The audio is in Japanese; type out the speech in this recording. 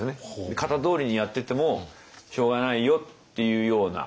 型どおりにやっててもしょうがないよっていうような。